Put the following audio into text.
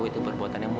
itu bagus banget